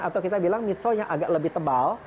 atau kita bilang midso yang agak lebih tebal